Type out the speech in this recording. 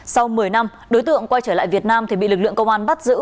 sau một mươi năm đối tượng quay trở lại việt nam thì bị lực lượng công an bắt giữ